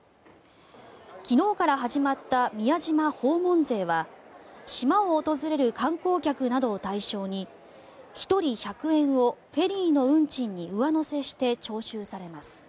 昨日から始まった宮島訪問税は島を訪れる観光客などを対象に１人１００円をフェリーの運賃に上乗せして徴収されます。